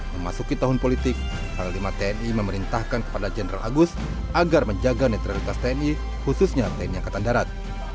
memasuki tahun politik panglima tni memerintahkan kepada jenderal agus agar menjaga netralitas tni khususnya tni angkatan darat